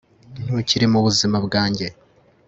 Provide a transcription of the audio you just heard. Ntukiri mubuzima bwanjye